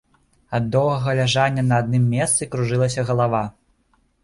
Ад доўгага ляжання на адным месцы кружылася галава.